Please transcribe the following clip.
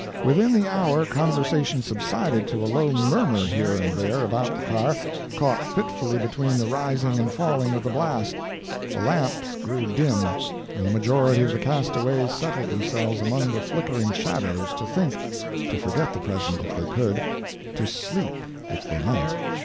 "Within the hour conversation subsided to a low murmur here and there about the car, caught fitfully between the rising and falling of the blast; the lamps grew dim; and the majority of the castaways settled themselves among the flickering shadows to think to forget the present, if they could to sleep, if they might.